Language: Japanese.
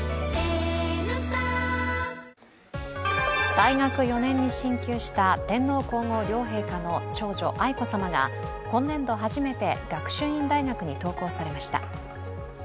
大学４年に進級した天皇皇后両陛下の長女・愛子さまが今年度初めて学習院大学に登校されました。